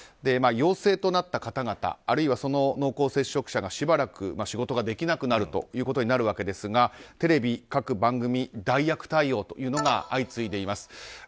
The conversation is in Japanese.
陽性となった方々あるいは、その濃厚接触者がしばらく仕事ができなくなるわけですがテレビ、各番組代役対応というのが相次いでいます。